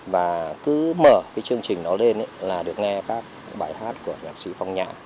và cứ mở chương trình đó lên là được nghe các bài hát của nhạc sĩ phong nhã